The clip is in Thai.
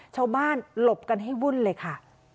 ชาวบ้านหลบกันให้วุ่นเลยค่ะ